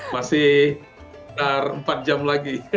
masih empat jam lagi